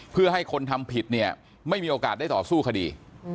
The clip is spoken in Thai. เพื่อให้คนทำผิดเนี่ยไม่มีโอกาสได้ต่อสู้คดี